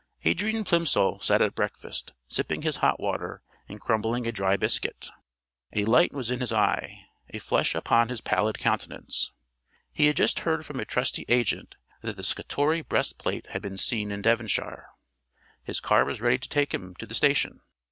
Adrian Plimsoll sat at breakfast, sipping his hot water and crumbling a dry biscuit. A light was in his eye, a flush upon his pallid countenance. He had just heard from a trusty agent that the Scutori breast plate had been seen in Devonshire. His car was ready to take him to the station.